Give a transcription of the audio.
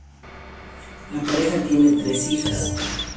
La pareja tiene tres hijas.